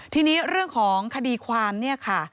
ทีนี้เรื่องของคดีความเนี่ยค่ะ